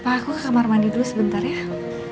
pak aku ke kamar mandi dulu sebentar ya